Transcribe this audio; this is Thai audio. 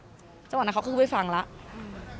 เจ้าหวังนะเขาคือไม่ฟังแล้ว